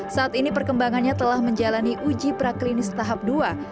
saat ini perkembangannya telah menjalani uji praklinis tahap dua